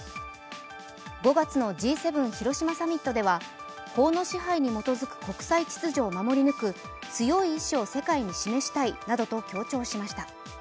５月のＧ７広島サミットでは法の支配に基づく国際秩序を守り抜く強い意思を世界に示したいなどと強調しました。